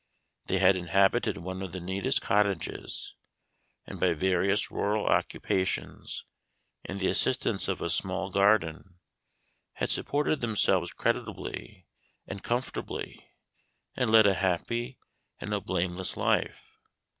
They had inhabited one of the neatest cottages, and by various rural occupations, and the assistance of a small garden, had supported themselves creditably and comfortably, and led a happy and a blameless life.